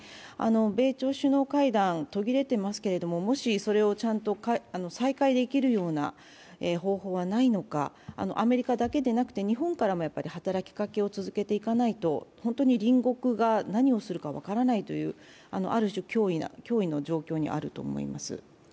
米朝首脳会談、途切れてますけど、もしそれを再開できるような方法はないのか、アメリカだけでなくて日本からも働きかけを続けていかないと本当に隣国が何をするか分からないというある種、脅威の状況にあると思います。